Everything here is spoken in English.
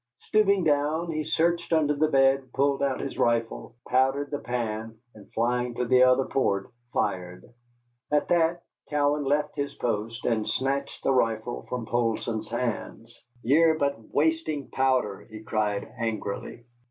Stooping down, he searched under the bed, pulled out his rifle, powdered the pan, and flying to the other port, fired. At that Cowan left his post and snatched the rifle from Poulsson's hands. "Ye're but wasting powder," he cried angrily.